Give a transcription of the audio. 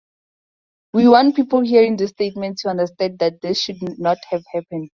We want people hearing this statement to understand that this should not have happened.